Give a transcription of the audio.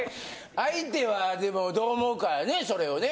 相手はでもどう思うかやねそれをね。